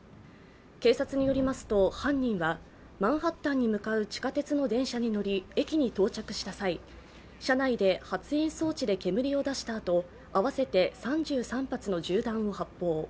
警察によりますと犯人はマンハッタンに向かう地下鉄の電車に乗り駅に到着した際車内で発煙装置で煙を出したあと合わせて３３発の銃弾を発砲。